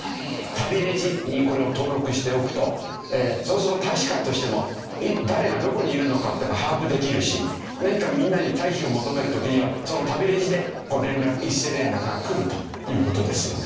「たびレジ」これを登録しておくとそうすると大使館としても誰がどこにいるのかっていうのが把握できるし何かみんなに退避を求める時にはその「たびレジ」で一斉連絡が来るという事ですよね。